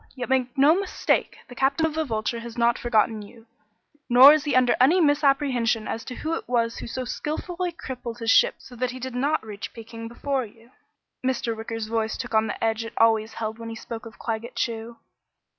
Yet make no mistake the Captain of the Vulture has not forgotten you. Nor is he under any misapprehension as to who it was who so skillfully crippled his ship so that he did not reach Peking before you." Mr. Wicker's voice took on the edge it always held when he spoke of Claggett Chew.